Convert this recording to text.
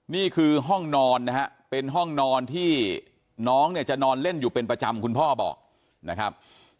นี่คือห้องนอนนะฮะเป็นห้องนอนที่น้องเนี่ยจะนอนเล่นอยู่เป็นประจำคุณพ่อบอกนะครับ